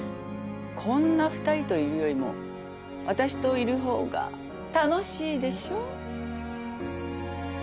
こんな２人といるよりも私といるほうが楽しいでしょ？